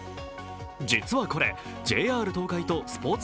実はこれ、ＪＲ東海とスポ−ツ